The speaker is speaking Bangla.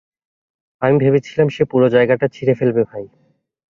আমি ভেবেছিলাম সে পুরো জায়গাটা ছিঁড়ে ফেলবে, ভাই।